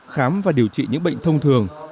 khám và điều trị những bệnh thông thường